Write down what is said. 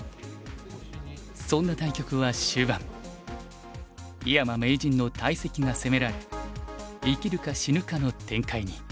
そんな対局は終盤井山名人の大石が攻められ生きるか死ぬかの展開に。